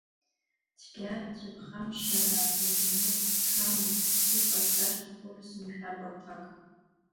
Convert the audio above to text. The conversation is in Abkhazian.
Цәгьа-цәыԥхамшьараа рдунеи сазшамаз, иҟасҵар сҭахуп сымшәакәа рҭак.